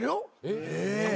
え！